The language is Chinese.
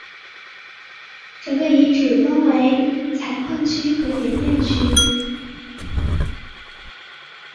整个遗址分为采矿区和冶炼区。